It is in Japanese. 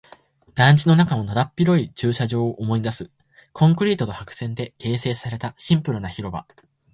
団地の中のだだっ広い駐車場を思い出す。コンクリートと白線で構成されたシンプルな広場。